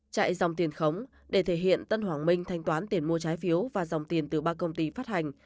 chạy dòng tiền khống để thể hiện tân hoàng minh thanh toán tiền mua trái phiếu và dòng tiền từ ba công ty phát hành